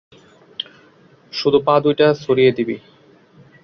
শুধু পা দুইটা ছড়িয়ে দিবি।